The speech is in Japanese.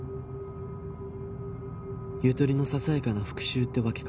ゆとりのささやかな復讐ってわけか